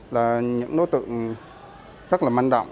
là những đối tượng rất là manh động